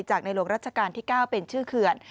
จากในโลกรัชกาลที่๙เป็นชื่อเคือน